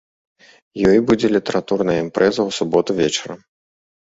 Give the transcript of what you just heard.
Ёй будзе літаратурная імпрэза ў суботу вечарам.